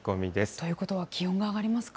ということは気温が上がりますか。